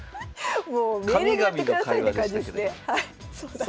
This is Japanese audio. もうメールでやってくださいって感じですね。